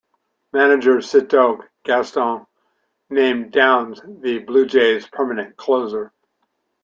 Manager Cito Gaston named Downs the Blue Jays' permanent closer.